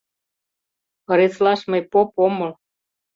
— Ыреслаш мый поп омыл.